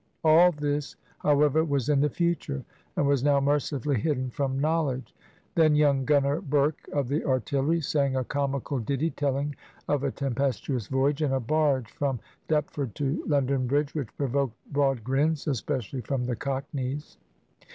AU this, however, was in the future, and was now mercifully hidden from knowl edge. Then young Gunner Burke, of the Artillery, sang a comical ditty telling of a tempestuous voyage in a barge fromDeptford to London Bridge, which provoked broad grins, especially from the Cockneys.